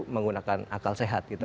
menggunakan akal sehat gitu